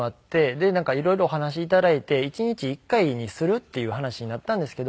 でなんか色々お話頂いて１日１回にするっていう話になったんですけど。